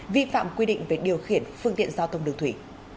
vi phạm quy định về điều khiển phương tiện giao thông đường thủy